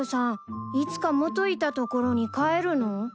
いつか元いた所に帰るの？